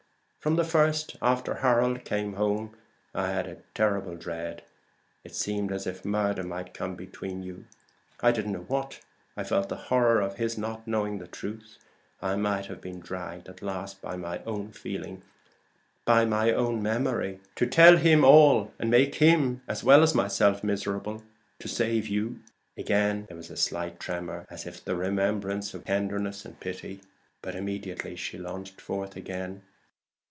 From the first, after Harold came home, I had a terrible dread. It seemed as if murder might come between you I didn't know what. I felt the horror of his not knowing the truth. I might have been dragged at last, by my own feeling by my own memory to tell him all, and make him as well as myself miserable, to save you." Again there was a slight tremor, as if at the remembrance of womanly tenderness and pity. But immediately she launched forth again.